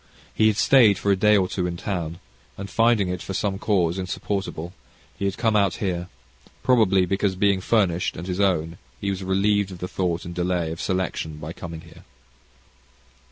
He had stayed for a day or two in town, and, finding it for some cause insupportable, had come out here, probably because being furnished and his own, he was relieved of the thought and delay of selection, by coming here.